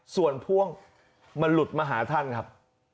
ส่วนพ่วงมันหลุดมาหาท่านครับ